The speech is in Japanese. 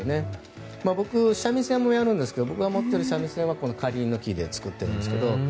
僕、三味線もやるんですが僕が持っている三味線はこのカリンの木使っているんですけど。